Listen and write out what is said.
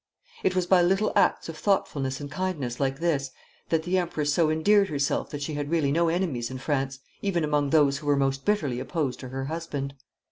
It was by little acts of thoughtfulness and kindness like this that the Empress so endeared herself that she had really no enemies in France, even among those who were most bitterly opposed to her husband.